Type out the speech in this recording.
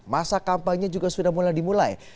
masa kampanye juga sudah mulai dimulai